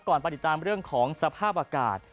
ไปติดตามเรื่องของสภาพอากาศ